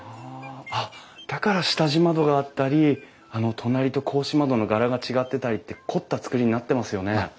あっだから下地窓があったり隣と格子窓の柄が違ってたりって凝った造りになってますよね。